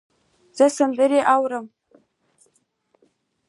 زه سندرې اورم.